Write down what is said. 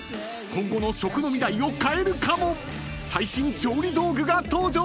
［今後の食の未来を変えるかも⁉最新調理道具が登場！］